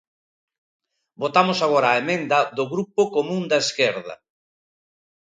Votamos agora a emenda do Grupo Común da Esquerda.